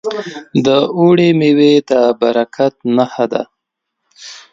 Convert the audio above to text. د اوړي میوې د برکت نښه ده.